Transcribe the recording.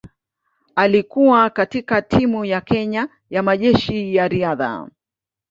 Alikuwa katika timu ya Kenya ya Majeshi ya Riadha.